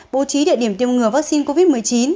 bố trí địa điểm tiêm ngừa vaccine covid một mươi chín